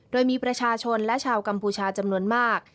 โดยมีประชาชนและชาวกัมพูชาจำนวนมาก